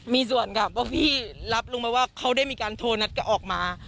มีส่วนค่ะเพราะพี่รับรู้ไหมว่าเขาได้มีการโทรนัดก็ออกมา